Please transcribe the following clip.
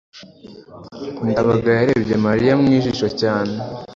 ndabaga yarebye mariya mu jisho cyane